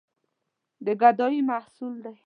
د ګدايي محصول ده.